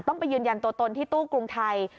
ไปยืนยันตัวตนที่ตู้กรุงไทย